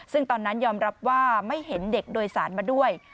ซึ่งตอนนั้นยอมรับว่าไม่เห็นเด็กโดยสารมาด้วย